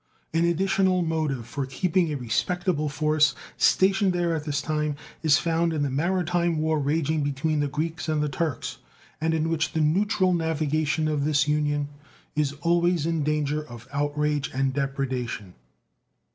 An additional motive for keeping a respectable force stationed there at this time is found in the maritime war raging between the Greeks and the Turks, and in which the neutral navigation of this Union is always in danger of outrage and depredation.